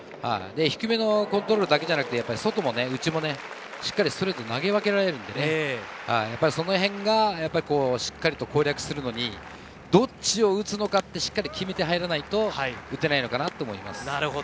低めのコントロールだけじゃなくて、外も内も、しっかりストレートを投げ分けられるので、そのへんがしっかり攻略するのに、どっちを打つのかって、しっかり決めて入らないと打てないのかなと思います。